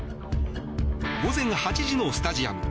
午前８時のスタジアム。